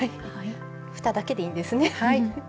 ふただけでいいんですね。